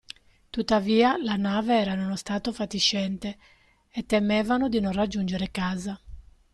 Tuttavia, la nave era in uno stato fatiscente, e temevano di non raggiungere casa.